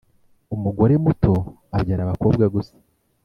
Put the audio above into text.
Umugore muto abyara abakobwa gusa,